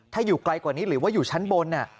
ถ้าอยู่ไกลกว่านี้หรือว่าอยู่ชั้นบน